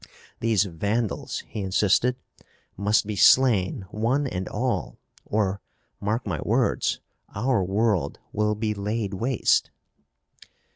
These vandals," he insisted, "must be slain one and all, or, mark my words, our world will be laid waste."